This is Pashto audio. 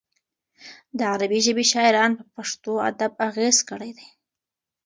د عربي ژبې شاعرانو په پښتو ادب اغېز کړی دی.